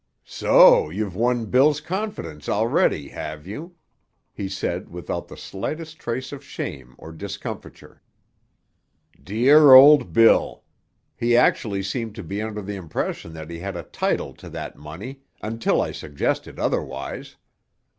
"So you've won Bill's confidences already, have you?" he said without the slightest trace of shame or discomfiture. "Dear old Bill! He actually seemed to be under the impression that he had a title to that money—until I suggested otherwise.